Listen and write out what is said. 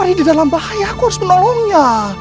dia dalam bahaya aku harus menolongnya